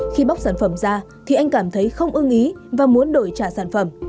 khi bóc sản phẩm ra thì anh cảm thấy không ưng ý và muốn đổi trả sản phẩm